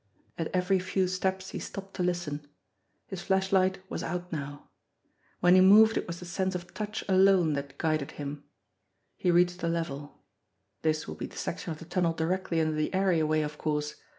At every few steps he stopped to listen. His flashlight was out now. When he moved it was the sense of touch alone that guided him. He reached a level. This would be the section of the tunnel directly under the areaway, of course.